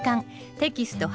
テキスト８